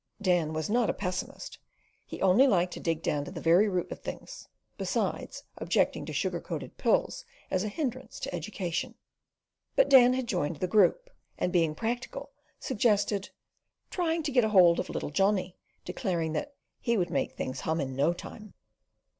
Dan was not a pessimist; he only liked to dig down to the very root of things, besides objecting to sugar coated pills as being a hindrance to education. But the Dandy had joined the group, and being practical, suggested "trying to get hold of little Johnny," declaring that "he would make things hum in no time."